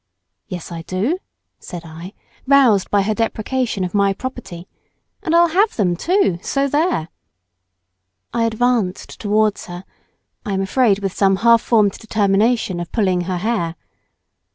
"Yes I do," said I, roused by her depreciation of my property , "and I'll have them too, so there!" I advanced towards her—I am afraid with some half formed determination of pulling her hair.